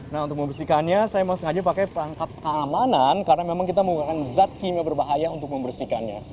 nah untuk membersihkannya saya mau sengaja pakai perangkat keamanan karena memang kita menggunakan zat kimia berbahaya untuk membersihkannya